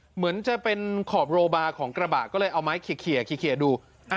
เหมือนจะเป็นขอบโรบาของกระบะก็เลยเอาไม้เคลียร์ดู